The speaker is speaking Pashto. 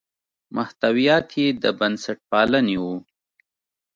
محتویات یې د بنسټپالنې وو.